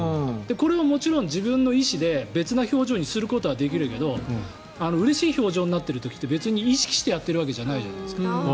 これはもちろん自分の意思で別の表情にすることはできるけどうれしい表情になっている時って別に意識してやってるわけじゃないじゃないですか。